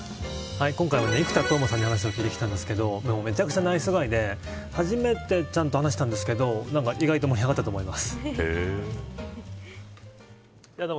今回は生田斗真さんに会ってきたんですがめちゃくちゃナイスガイで初めてちゃんと話したんですけど意外と盛り上がったと思います。